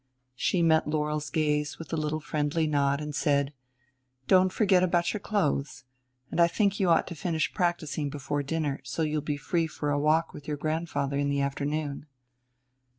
She met Laurel's gaze with a little friendly nod and said: "Don't forget about your clothes, and I think you ought to finish the practicing before dinner, so you'll be free for a walk with your grandfather in the afternoon."